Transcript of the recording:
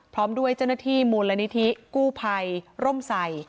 พร้อมด้วยเจ้าหน้าที่มูลนิธิกู้ภัยร่มใส่